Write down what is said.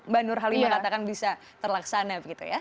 banur halimah katakan bisa terlaksana